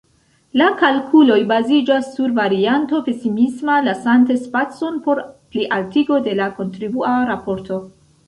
La kalkuloj baziĝas sur varianto pesimisma, lasante spacon por plialtigo de la kontribua raporto.